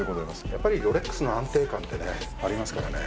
やっぱりロレックスの安定感ってねありますからね